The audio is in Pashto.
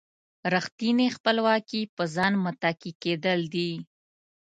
ریښتینې خپلواکي پر ځان متکي کېدل دي.